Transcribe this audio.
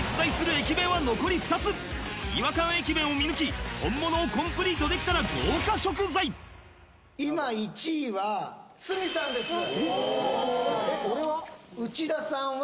駅弁を見抜き本物をコンプリートできたら豪華食材今１位は鷲見さんですよしっえっ俺は？